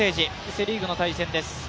セ・リーグの対戦です。